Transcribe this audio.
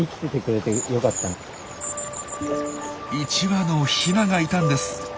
１羽のヒナがいたんです！